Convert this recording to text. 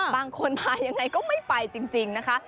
บางคนมายังไงก็ไม่ไปจริงนะคะ